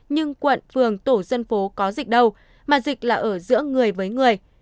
nhưng quận phường tổ dân phố có dịch đâu mà dịch là ở giữa người với người